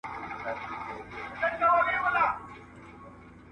آیا ستاسو په سیمه کې د مېوو ونې شته؟